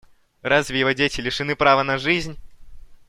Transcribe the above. Разве его дети лишены права на жизнь?